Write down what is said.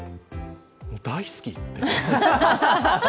大好きって。